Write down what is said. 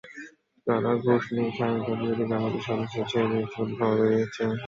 তারা ঘুষ নিয়ে স্বাধীনতাবিরোধী জামায়াতের সদস্যদেরও ছেড়ে দিয়েছে বলে খবর বেরিয়েছে।